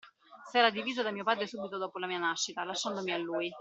S'era divisa da mio padre subito dopo la mia nascita, lasciandomi a lui.